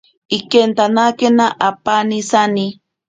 Ikentanakena apaani sani.